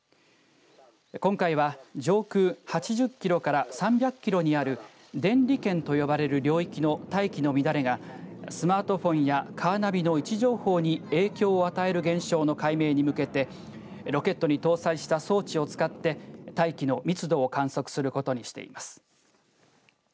今回は上空８０キロから３００キロにある電離圏と呼ばれる領域の大気の乱れがスマートフォンやカーナビの位置情報に影響を与える現象の解明に向けてロケットに搭載した装置を使って大気の密度を観測することにしています。